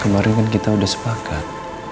kemarin kan kita sudah sepakat